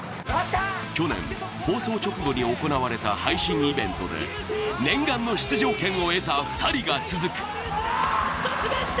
去年、放送直後に行われた配信イベントで念願の出場権を得た２人が続く。